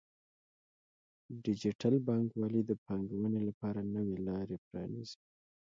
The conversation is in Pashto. ډیجیټل بانکوالي د پانګونې لپاره نوې لارې پرانیزي.